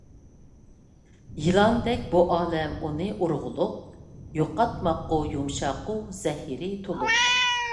يىلاندەك بۇ ئالەم ئۇنى ئۇرغۇلۇق، يوقاتماققا يۇمشاقۇ، زەھىرى تولۇق.